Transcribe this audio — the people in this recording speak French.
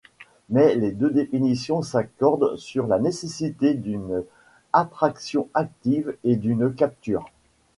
Mais les deux définitions s'accordent sur la nécessité d'une attraction active et d'une capture.